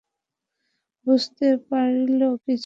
বুঝতে পারলি কিছু?